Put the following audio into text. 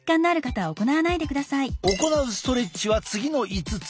行うストレッチは次の５つ。